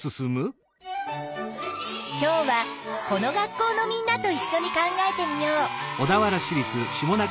今日はこの学校のみんなといっしょに考えてみよう。